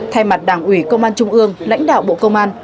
thay mặt đảng ủy công an trung ương lãnh đạo bộ công an